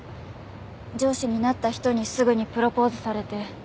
上司になった人にすぐにプロポーズされて。